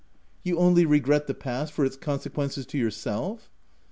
c<c You only regret the past for its conse quences to yourself?'